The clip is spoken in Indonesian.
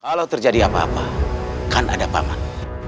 kalau terjadi apa apa kan ada paman